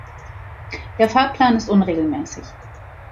Der Fahrplan ist unregelmässig.